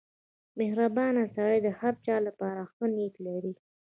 • مهربان سړی د هر چا لپاره ښه نیت لري.